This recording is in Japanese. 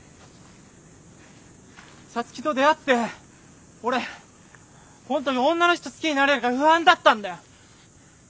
皐月と出会って俺本当に女の人好きになれるか不安だったんだよ。